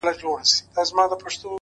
خالقه خدايه ستا د نُور د نقدس نښه ده!!